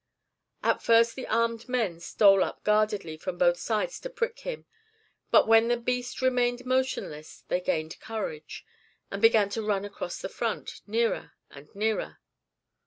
At first the armed men stole up guardedly from both sides to prick him. But when the beast remained motionless, they gained courage, and began to run across in front, nearer and nearer.